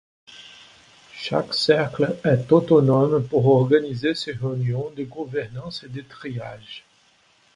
Chaque cercle est autonome pour organiser ses réunions de gouvernance et de triage.